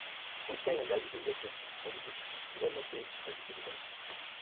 Which kind yanga you dey mek so for dis pipu, yu no kno say dem bi visitors?